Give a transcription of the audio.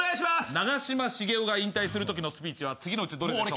長嶋茂雄が引退するときのスピーチは次のうちどれでしょう？